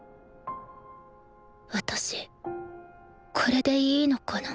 私これでいいのかな？